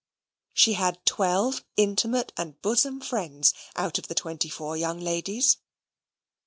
She had twelve intimate and bosom friends out of the twenty four young ladies.